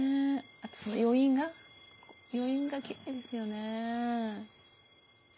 あとその余韻が余韻がきれいですよね。